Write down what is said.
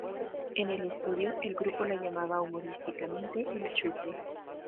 En el estudio, el grupo la llamaba humorísticamente "El chute".